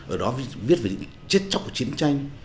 ở đó viết về những chết chóc của chiến tranh